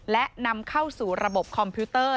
และนำเข้าสู่ระบบคอมพิวเตอร์